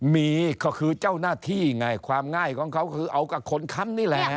มีก็คือเจ้าหน้าที่ไงความง่ายของเขาคือเอากับคนค้ำนี่แหละ